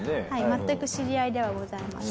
全く知り合いではございません。